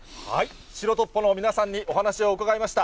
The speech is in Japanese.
白トッポの皆さんにお話を伺いました。